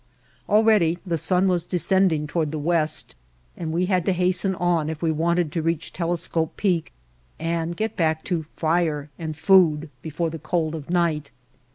Already the sun was descending toward the west, and we had to hasten on if we wanted to reach Telescope Peak and get back to fire and food before the cold of night.